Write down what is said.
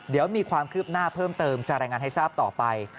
เดี๋ยวมีความคืบหน้าเพิ่มเติมจะรายงานให้ทราบต่อไป